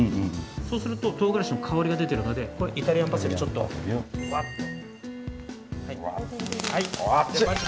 そうすると唐辛子の香りが出てるのでイタリアンパセリちょっと、わっと。